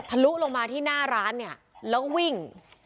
ลุลงมาที่หน้าร้านเนี่ยแล้วก็วิ่ง